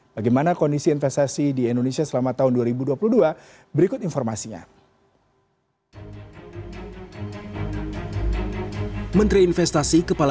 bagaimana kondisi investasi di indonesia selama tahun dua ribu dua puluh dua berikut informasinya